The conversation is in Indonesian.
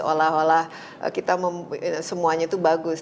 seolah olah kita semuanya itu bagus